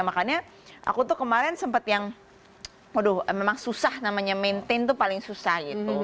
makanya aku tuh kemarin sempat yang waduh memang susah namanya maintain tuh paling susah gitu